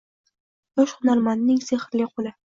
Yosh hunarmandning sehrli qo‘li